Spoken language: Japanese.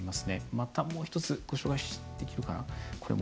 またもう一つご紹介できるかな。